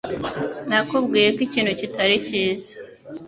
Nakubwiye ko ikintu kitari cyiza